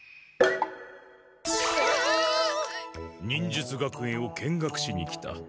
忍術学園を見学しに来た。